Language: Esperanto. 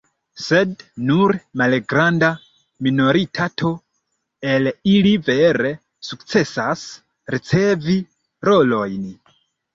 Sed nur malgranda minoritato el ili vere sukcesas ricevi rolojn.